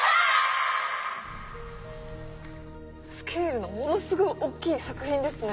スケールのものすごい大っきい作品ですね。